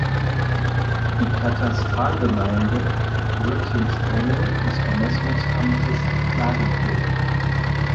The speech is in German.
Die Katastralgemeinde gehört zum Sprengel des Vermessungsamtes Klagenfurt.